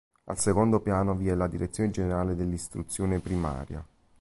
Al secondo piano vi è la direzione generale dell'istruzione primaria.